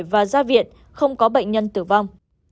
tỉnh và gia viện không có bệnh nhân tử vong